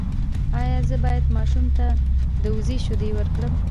ایا زه باید ماشوم ته د وزې شیدې ورکړم؟